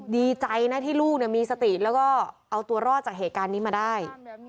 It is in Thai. ดีใจนะที่ลูกมีสติแล้วก็เอาตัวรอดจากเหตุการณ์นี้มาได้